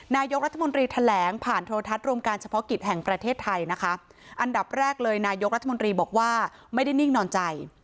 นายกรัฐมนตรีแถลงผ่านโทรทัศน์รวมการเฉพาะกิจแห่งประเทศไทยนะคะอันดับแรกเลยนายกรัฐมนตรีบอกว่าไม่ได้นิ่งนอนใจ